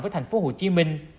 với thành phố hồ chí minh